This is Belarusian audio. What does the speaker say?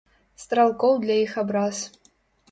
Стралкоў для іх абраз.